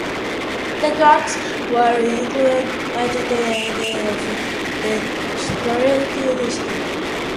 The tracks were included at the end of the track listing.